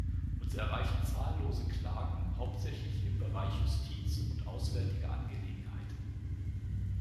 Uns erreichen zahllose Klagen, hauptsächlich im Bereich Justiz und auswärtige Angelegenheiten.